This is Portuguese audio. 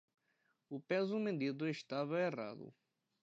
O peso medido estava errado